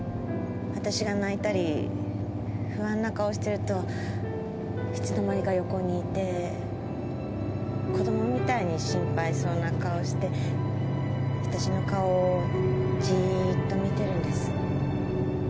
わたしが泣いたり不安な顔してるといつのまにか横にいて子供みたいに心配そうな顔してわたしの顔をジーッと見てるんです。